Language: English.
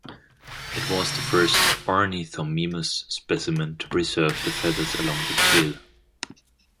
It was the first "Ornithomimus" specimen to preserve the feathers along the tail.